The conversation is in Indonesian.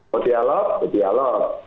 mau dialog mau dialog